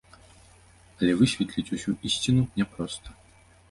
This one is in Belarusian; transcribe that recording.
Але высветліць усю ісціну няпроста.